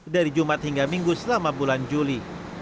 dari jumat hingga minggu selama bulan juli